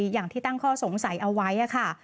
อย่างที่ตั้งข้อสงสัยเอาไว้ค่ะ